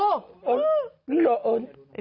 ไม่เหรอเอิญ